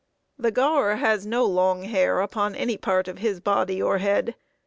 The gaur has no long hair upon any part of his body or head.